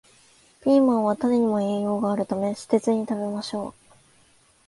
ピーマンは種にも栄養があるため、捨てずに食べましょう